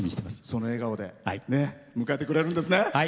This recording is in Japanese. その笑顔で迎えてくれるんですね。